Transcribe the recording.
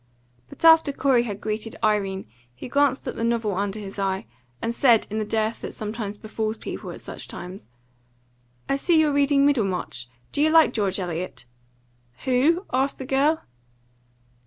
But after Corey had greeted Irene he glanced at the novel under his eye, and said, in the dearth that sometimes befalls people at such times: "I see you're reading Middlemarch. Do you like George Eliot?" "Who?" asked the girl.